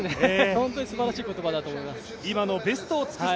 本当にすばらしい言葉だと思います。